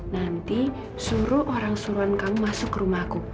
nanti suruh orang suruhan kamu masuk ke rumahku